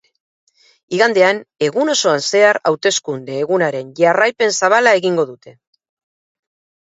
Igandean, egun osoan zehar hauteskunde egunaren jarraipen zabala egingo dute.